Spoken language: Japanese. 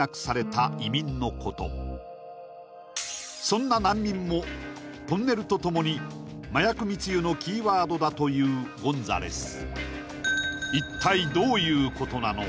そんな難民もトンネルとともに麻薬密輸のキーワードだというゴンザレス